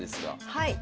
はい。